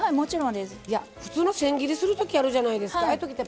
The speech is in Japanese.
普通の千切りするときあるじゃないですか。